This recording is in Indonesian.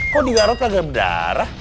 kok di garot kagak berdarah